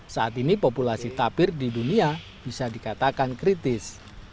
saat ini populasi tapir di dunia bisa dikatakan kritis